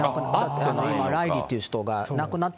ライリーという人が亡くなっ